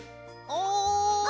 おい！